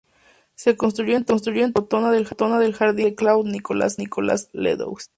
Se construyó entonces la rotonda del jardín, obra de Claude-Nicolas Ledoux.